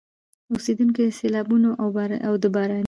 اوسېدونکي د سيلابونو او د باراني